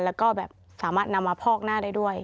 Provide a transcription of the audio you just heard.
แล้วก็แบบสามารถนำมาพอกหน้าได้ด้วย